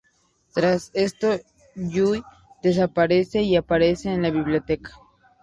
Tras esto Yui desaparece y aparece en la biblioteca.